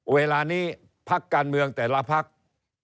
เวลานี้พักการเมืองแต่ละพัก